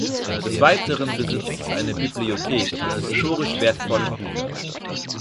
Des Weiteren besitzt es eine Bibliothek mit historisch wertvollen Büchern.